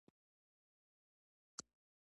زه په زړه د مومن خان یم او ګیله منه یم.